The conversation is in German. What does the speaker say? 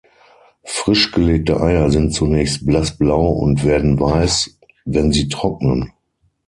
Frisch gelegte Eier sind zunächst blassblau und werden weiß, wenn sie trocknen.